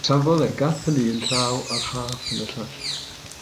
Safodd a'i gap yn un llaw a'r rhaff yn y llall.